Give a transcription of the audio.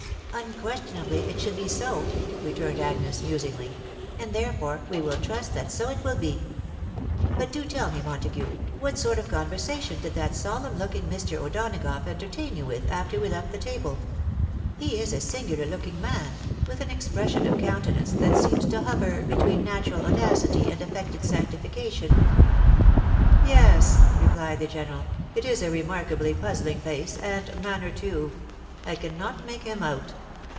" Unquestionably it should be so," returned Agnes, musingly, " and, therefore, we will trust that so it will be. But tell me, Montague, what sort of conversation did that solemn looking Mr. O'Donagough entertain you with, after we left the table 't He is a singular looking man, with an expression of counte nance that seems to hover between natural audacity and affected sanotification." " Yes," replied the general, " it is a remarkably puzzling face — and manner too. I cannot make him out."